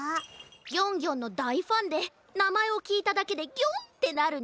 ギョンギョンのだいファンでなまえをきいただけでギョン！ってなるんだ。